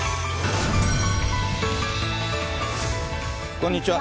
こんにちは。